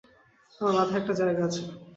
আমার মাথায় একটা জায়গা আছে।